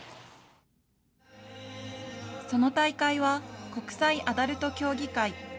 その大会は、国際アダルト競技会。